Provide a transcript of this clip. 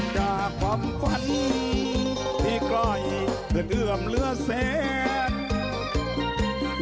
จากความฝันที่กล่อยเหลือเดือมเลือดแสน